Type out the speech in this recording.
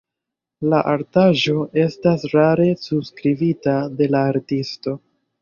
La artaĵo estas rare subskribita de la artisto.